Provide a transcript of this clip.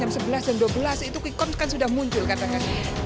jam sebelas jam dua belas itu quick count kan sudah muncul katanya